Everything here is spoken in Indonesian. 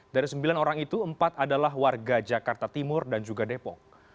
dari sembilan orang itu empat adalah warga jakarta timur dan juga depok